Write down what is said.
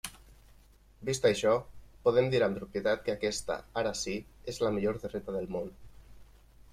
Vist això, podem dir amb propietat que aquesta, ara sí, és la millor terreta del món.